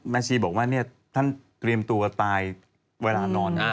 ชีบอกว่าเนี่ยท่านเตรียมตัวตายเวลานอน